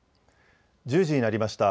１０時になりました。